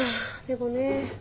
でもね